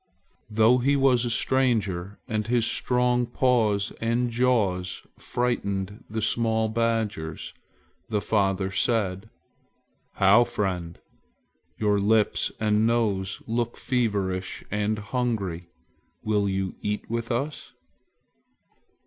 Though he was a stranger and his strong paws and jaws frightened the small badgers, the father said, "How, how, friend! Your lips and nose look feverish and hungry. Will you eat with us?"